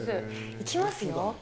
いきますよ。